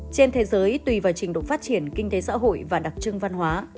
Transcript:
trên thế giới tùy vào trình độ phát triển kinh tế xã hội và đặc trưng văn hóa